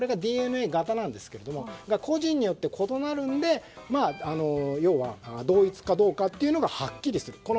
ＤＮＡ型なんですが個人によって異なるので要は、同一かどうかというのがはっきりする。